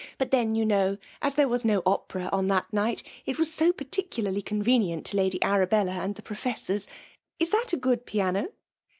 But then, you knows as there was no Opera on that nighty H was so particularly convenient to Lady Ara bella and the professors. — Is that a good piano?